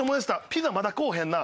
ピザまだ来おへんな。